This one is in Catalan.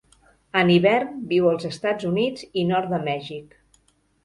En hivern viu als Estats Units i nord de Mèxic.